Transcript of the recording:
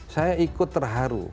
saya ikut terharu